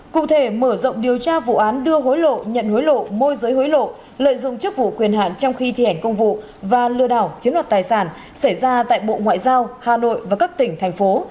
cụ thể mở rộng điều tra vụ án đưa hối lộ nhận hối lộ môi giới hối lộ lợi dụng chức vụ quyền hạn trong khi thi hành công vụ và lừa đảo chiếm đoạt tài sản xảy ra tại bộ ngoại giao hà nội và các tỉnh thành phố